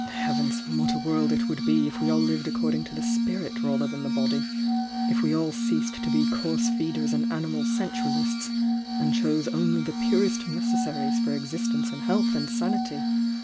Heav ens !— what a world it would be if we all lived accord ing to the spirit rather than the body!— if we all ce.' .sed to be coarse feeders and animal sensualists, and chose only the purest necessaries for existence in health and sanity!